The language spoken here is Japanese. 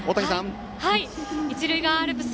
一塁側アルプス